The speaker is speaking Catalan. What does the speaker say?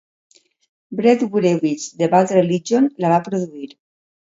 Brett Gurewitz de Bad Religion la va produir.